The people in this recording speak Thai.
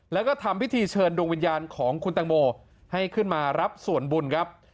แล้วก็ทำพิธีเชิญดวงวิญญาณของคุณตังโมให้ขึ้นมารับส่วนบุญครับ